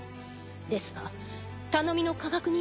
ですが頼みの科学忍